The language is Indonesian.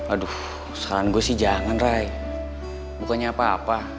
aduh saran gue sih jangan rai bukannya apa apa